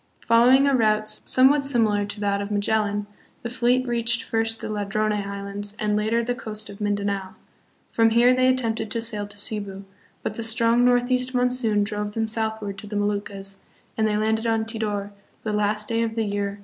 Following a route somewhat similar to that of Magellan, the fleet reached first the Ladrone Islands and later the coast of Mindanao. From here they attempted to sail to Cebu, but the strong northeast monsoon drove them southward to the Mo luccas, and they landed on Tidor the last day of the year 1526.